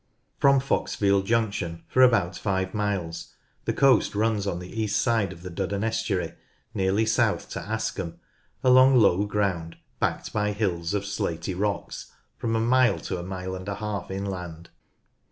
From Foxfield Junction for about five miles the coast runs on the east side of the Duddon estuary nearly south to Askham, along low ground backed by hills of slaty rocks from a mile to a mile and a half inland.